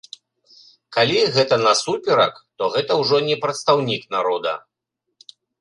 Калі гэта насуперак, то гэта ўжо не прадстаўнік народа.